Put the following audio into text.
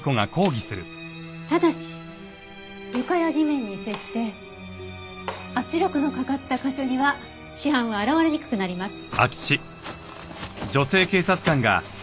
ただし床や地面に接して圧力のかかった箇所には死斑は現れにくくなります。